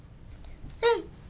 うん。